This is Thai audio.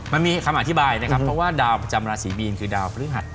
มันมีคำอธิบายนะครับเพราะว่าดาวประจำราศีมีนคือดาวพฤหัส